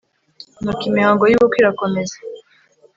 nuko imihango y'ubukwe irakomeza